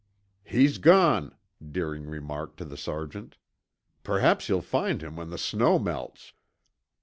"He's gone," Deering remarked to the sergeant. "Perhaps you'll find him when the snow melts."